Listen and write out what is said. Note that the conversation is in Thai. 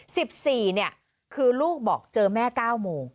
๑๔เนี่ยคือลูกบอกเจอแม่๙โมง